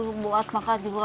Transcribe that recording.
iya itu buat makan